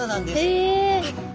へえ！